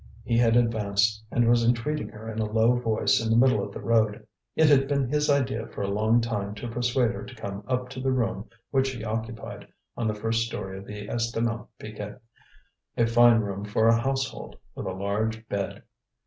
He had advanced, and was entreating her in a low voice in the middle of the road. It had been his idea for a long time to persuade her to come up to the room which he occupied on the first story of the Estaminet Piquette, a fine room for a household, with a large bed.